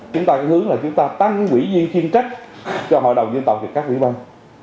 chúng ta hướng là chúng ta tăng quỹ duyên chuyên trách cho hội đồng dân tộc thì các ủy ban